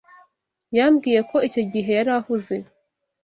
Yambwiye ko icyo gihe yari ahuze.